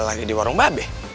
lagi di warung babe